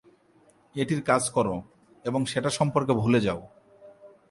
একটি কাজ করো এবং সেটা সম্পর্কে ভুলে যাও।